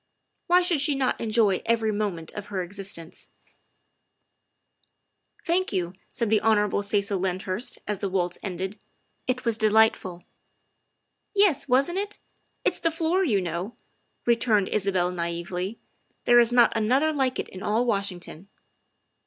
Why should she not enjoy every moment of her existence ? 52 THE WIFE OF " Thank you," said the Hon. Cecil Lyndhurst as the waltz ended, " it was delightful." " Yes, wasn't it? It's the floor, you know," returned Isabel naively ;'' there is not another like it in all Wash ington.